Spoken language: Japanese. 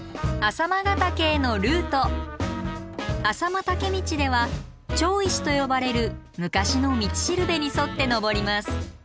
朝熊岳道では町石と呼ばれる昔の道しるべに沿って登ります。